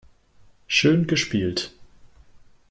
Schön gespielt.